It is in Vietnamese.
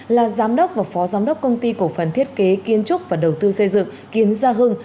là giám đốc và phó giám đốc công ty cổ phần thiết kế kiến trúc và đầu tư xây dựng kiến gia hưng